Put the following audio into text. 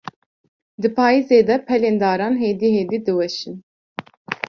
Di payîzê de, pelên daran hêdî hêdî diweşin.